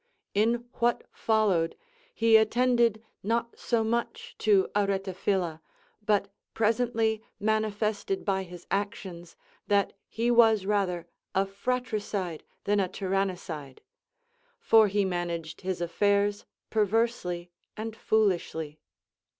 In what followed, he attended not so much to Aretaphila, but presently manifested by his actions that he was rather a fratricide than a tyrannicide ; for he managed his affairs perversely and foolishly.